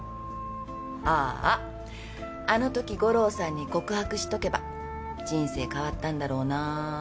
あああのとき五郎さんに告白しとけば人生変わったんだろうな。